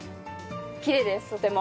きれいですとても。